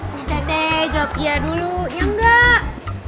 biar deh jawab iya dulu ya enggak